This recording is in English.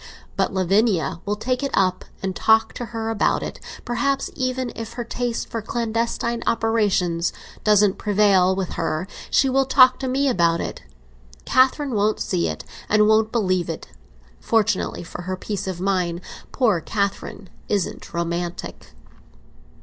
But Lavinia will take it up, and talk to her about it; perhaps, even, if her taste for clandestine operations doesn't prevail with her, she will talk to me about it. Catherine won't see it, and won't believe it, fortunately for her peace of mind; poor Catherine isn't romantic."